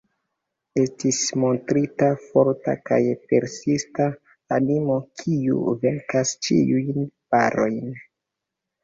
Estis montrita forta kaj persista animo, kiu venkas ĉiujn barojn.